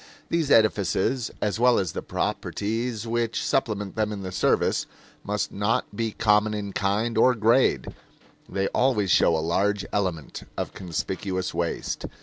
These edifices, as well as the properties which supplement them in the service, must not be common in kind or grade; they always show a large element of conspicuous waste.